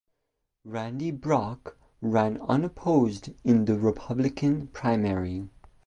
Randy Brock ran unopposed in the Republican primary.